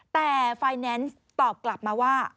แต่ไฟแนนซ์ตอบกลับมาว่า